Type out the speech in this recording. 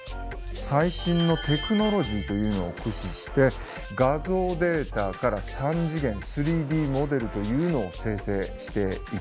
最新のテクノロジーというのを駆使して画像データから３次元３Ｄモデルというのを生成していきました。